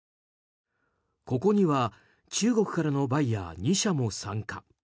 ここには中国からのバイヤー２社も参加。